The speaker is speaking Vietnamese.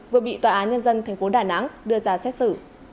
vừa bị tòa án nhân dân tp đà nẵng đưa ra xét xử